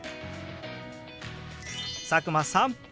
佐久間さん